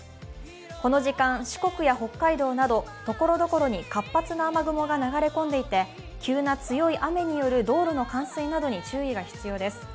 この時間、四国や北海道などところどころに活発な雨雲が流れ込んでいて急な強い雨による道路の冠水などに注意が必要です。